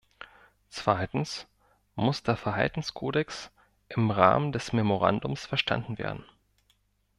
Zweitens muss der Verhaltenskodex im Rahmen des Memorandums verstanden werden.